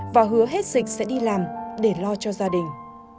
và hứa hết dịch sẽ đi làm để lo cho gia đình